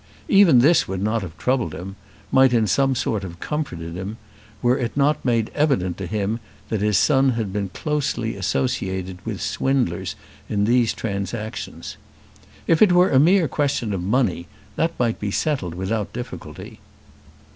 Even this would not have troubled him, might in some sort have comforted him, were it not made evident to him that his son had been closely associated with swindlers in these transactions. If it were a mere question of money, that might be settled without difficulty.